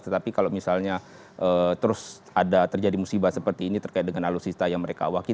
tetapi kalau misalnya terus ada terjadi musibah seperti ini terkait dengan alutsista yang mereka awakili